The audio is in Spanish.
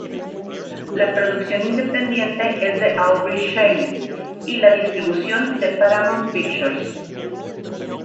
La producción independiente es de Aubrey Schenck y la distribución de Paramount Pictures.